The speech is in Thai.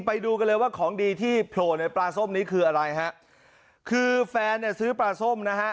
ไปดูกันเลยว่าของดีที่โผล่ในปลาส้มนี้คืออะไรฮะคือแฟนเนี่ยซื้อปลาส้มนะฮะ